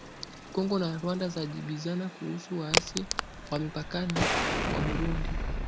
Kongo na Rwanda zajibizana kuhusu waasi wa mipakani mwa Burundi